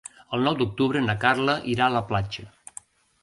El nou d'octubre na Carla irà a la platja.